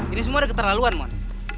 ini semua ada keterlaluan mohon